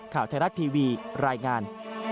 ข่าวไทยรัฐทีวีรายงาน